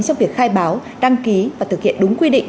trong việc khai báo đăng ký và thực hiện đúng quy định